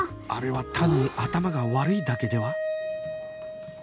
あれは単に頭が悪いだけでは？